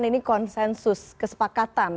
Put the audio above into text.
ini konsensus kesepakatan